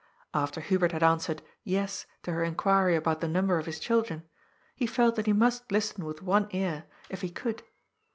After Hubert had answered " Yes " to her inquiry about the number of his children, he felt that he must listen with one ear, if he could.